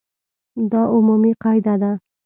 دا عمومي قاعده ده.